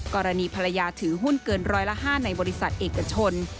กรณีภรรยาถือหุ้นเกินร้อยละ๕ในบริษัทเอกชน